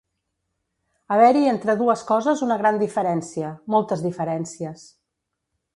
Haver-hi entre dues coses una gran diferència, moltes diferències.